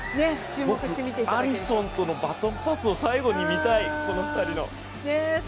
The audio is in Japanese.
アリソンとのバトンパスを最後に見たい、この２人の。